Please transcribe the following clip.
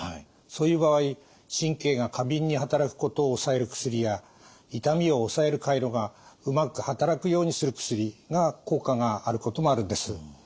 そういう場合神経が過敏に働くことを抑える薬や痛みを抑える回路がうまく働くようにする薬が効果があることもあるんです。